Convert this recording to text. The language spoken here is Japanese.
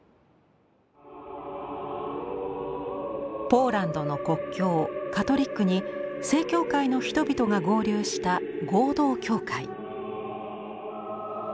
ポーランドの国教カトリックに正教会の人々が合流した合同教会。